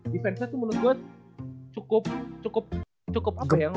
defense nya menurut gue cukup cukup apa ya